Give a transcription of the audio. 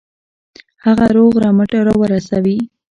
هغه روغ رمټ را ورسوي.